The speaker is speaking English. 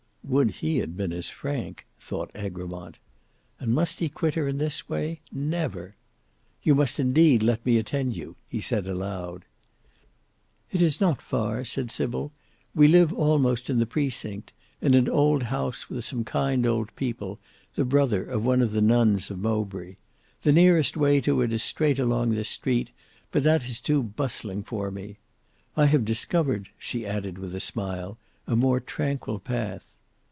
"Would he had been as frank!" thought Egremont. And must he quit her in this way. Never! "You must indeed let me attend you!" he said aloud. "It is not far," said Sybil. "We live almost in the Precinct—in an old house with some kind old people, the brother of one of the nuns of Mowbray. The nearest way to it is straight along this street, but that is too bustling for me. I have discovered," she added with a smile, "a more tranquil path."